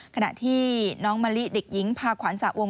ขณะที่น้องมะลิเด็กหญิงพาขวัญสระวง